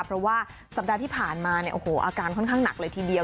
เพราะว่าสัปดาห์ที่ผ่านมาเนี่ยโอ้โหอาการค่อนข้างหนักเลยทีเดียว